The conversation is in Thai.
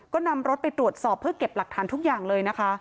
ก็นำรถไปตรวจสอบเพื่อเก็บหลักฐานทุกอย่างเลยนะคะ